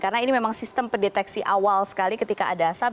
karena ini memang sistem pendeteksi awal sekali ketika ada asap